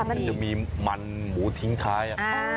มันจะมีมันหมูทิ้งท้าย